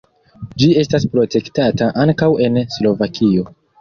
Ĝi estas protektata ankaŭ en Slovakio.